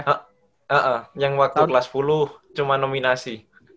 ha ah yang waktu kelas sepuluh cuma nominasi